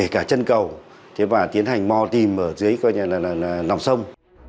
và chân cầu và tiến hành mò tìm ở dưới nòng sông